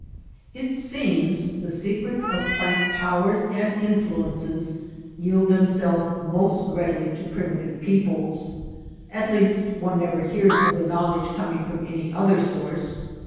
It seems the secrets of plant powers and influences yield themselves most readily to primitive peoples, at least one never hears of the knowledge coming from any other source.